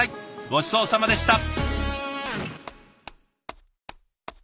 ごちそうさまでした。